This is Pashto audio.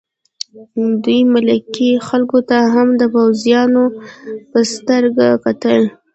دوی ملکي خلکو ته هم د پوځیانو په سترګه کتل